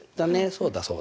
そうだそうだ。